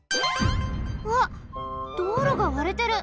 うわっ道路がわれてる！